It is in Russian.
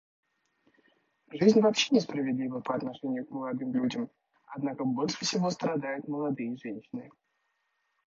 Жизнь вообще несправедлива по отношению к молодым людям, однако больше всего страдают молодые женщины.